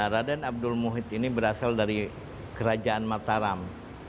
raden abdul muhid ini berasal dari kerajaan mataram